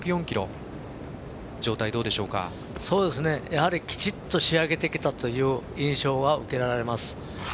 やはり、きちっと仕上げてきたという印象は受けられます。